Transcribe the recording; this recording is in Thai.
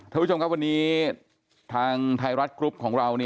ท่านผู้ชมครับวันนี้ทางไทยรัฐกรุ๊ปของเรา